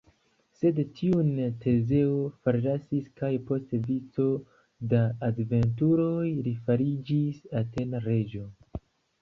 Sed tiun Tezeo forlasis kaj post vico da aventuroj li fariĝis atena reĝo.